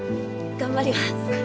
頑張ります。